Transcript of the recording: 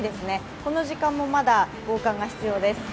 この時間もまだ防寒が必要です。